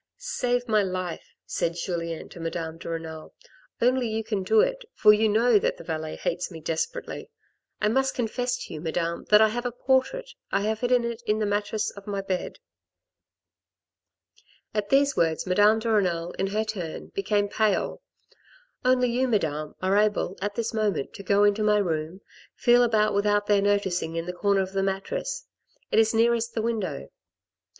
"Save my life," said Julien to Madame de Renal; "only you can do it, for you know that the valet hates me desperately. I must confess to you, madame, that I have a portrait. I have hidden it in the mattress of my bed." 6o THE RED AND THE BLACK At these words Madame de Renal in her turn became pale "Only you, Madame, are aMe at this moment to go into my room, feel about without their noticing in the corner of the mattress ; it is nearest the window.